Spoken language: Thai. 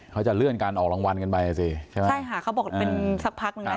เขาจะเลื่อนการออกรางวัลกันไปอ่ะสิใช่ไหมใช่ค่ะเขาบอกเป็นสักพักนึงแล้ว